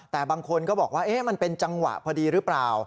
แต่บางคนก็บอกว่ามันเป็นจังหวะพอดีหรือเปล่า